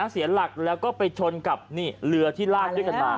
เสียหลักแล้วก็ไปชนกับเรือที่ลากด้วยกันมา